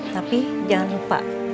tapi jangan lupa